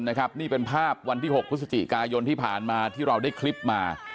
นี่เป็นภาพวันที่๖พฤศจิกายนที่ผ่านมาที่เราได้คลิปมา